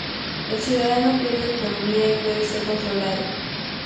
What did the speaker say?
El ciudadano pierde autonomía y puede ser controlado.